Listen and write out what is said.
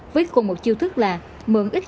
với cùng một chiêu thức là mượn ít